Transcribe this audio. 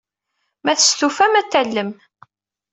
Ma testufam, ad t-tallem.